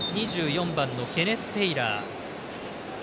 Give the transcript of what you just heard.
２４番のケネス・テイラー。